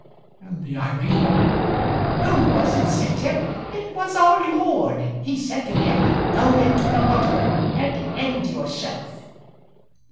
And the irate woman: "Who was it sent him? It was our Lord. He said to him, 'Go into the water and end yourself.'"